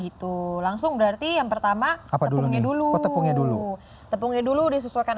gitu langsung berarti yang pertama apa dulu nih dulu tepungnya dulu tepungnya dulu disesuaikan